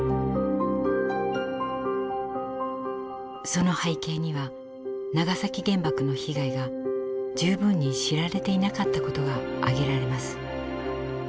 その背景には長崎原爆の被害が十分に知られていなかったことが挙げられます。